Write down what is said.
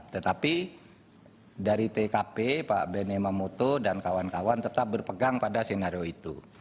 tetapi dari tkp pak benny mamoto dan kawan kawan tetap berpegang pada senario itu